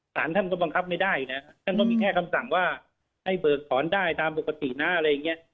สารท่านก็บังคับไม่ได้นะท่านก็มีแค่คำสั่งว่าให้เบิกถอนได้ตามปกตินะอะไรอย่างนี้